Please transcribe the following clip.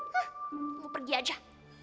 mau pergi aja